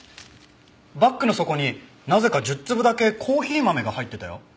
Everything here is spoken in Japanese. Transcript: バッグの底になぜか１０粒だけコーヒー豆が入ってたよ。